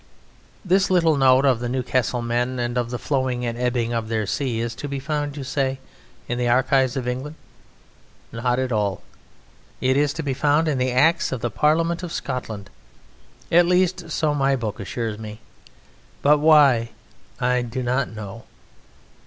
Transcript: This little note of the Newcastle men, and of the flowing and the ebbing of their sea, is to be found, you say, in the archives of England? Not at all! It is to be found in the Acts of the Parliament of Scotland at least, so my book assures me, but why I do not know.